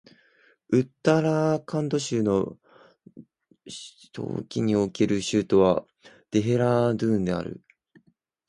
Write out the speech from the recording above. ウッタラーカンド州の冬季における州都はデヘラードゥーンである